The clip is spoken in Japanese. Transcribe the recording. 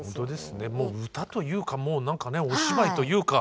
歌というかもう何かねお芝居というか。